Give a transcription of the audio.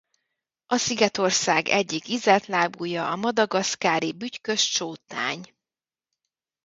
A szigetország egyik ízeltlábúja a madagaszkári bütykös csótány.